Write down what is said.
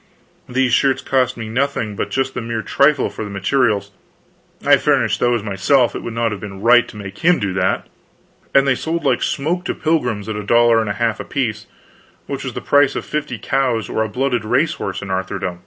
These shirts cost me nothing but just the mere trifle for the materials I furnished those myself, it would not have been right to make him do that and they sold like smoke to pilgrims at a dollar and a half apiece, which was the price of fifty cows or a blooded race horse in Arthurdom.